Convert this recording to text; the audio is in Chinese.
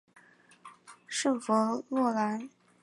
圣弗洛兰。